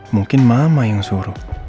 mungkin mama yang suruh